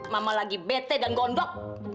mama lagi bete dan gondok